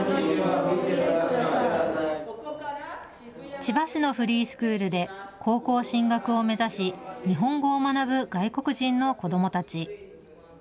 千葉市のフリースクールで高校進学を目指し、日本語を学ぶ外国人の子どもたち。